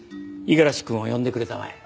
五十嵐くんを呼んでくれたまえ。